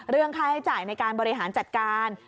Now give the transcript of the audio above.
เรื่องค่าใช้จ่ายในการบริหารจัดการ